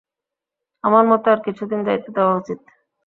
আমার মতে আর কিছুদিন যাইতে দেওয়া উচিত।